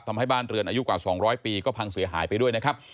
ทำให้บ้านเรือนอายุกว่าสองร้อยปีก็พังเสียหายไปด้วยนะครับ